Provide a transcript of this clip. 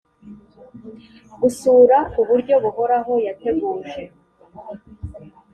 gusura ku buryo buhoraho yateguje